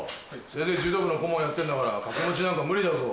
先生柔道部の顧問やってんだから掛け持ちなんか無理だぞ。